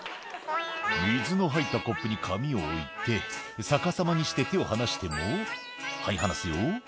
「水の入ったコップに紙を置いて逆さまにして手を離してもはい離すよ」